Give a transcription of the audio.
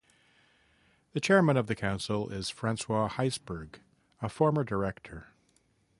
The Chairman of the Council is Francois Heisbourg, a former Director.